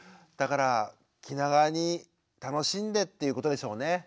だから気長に楽しんでっていうことでしょうね。